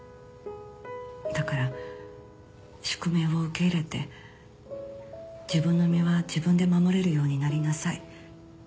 「だから宿命を受け入れて自分の身は自分で守れるようになりなさい」